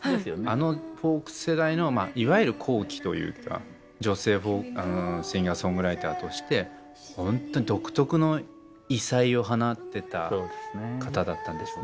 あのフォーク世代のいわゆる後期というか女性シンガーソングライターとしてホントに独特の異彩を放ってた方だったんでしょうね。